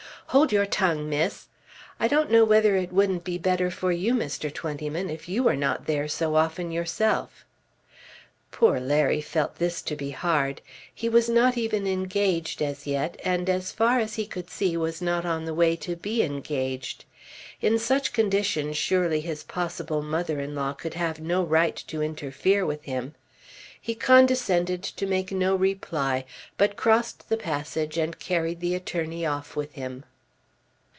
"Hold your tongue, miss. I don't know whether it wouldn't be better for you, Mr. Twentyman, if you were not there so often yourself." Poor Larry felt this to be hard. He was not even engaged as yet, and as far as he could see was not on the way to be engaged. In such condition surely his possible mother in law could have no right to interfere with him. He condescended to make no reply, but crossed the passage and carried the attorney off with him.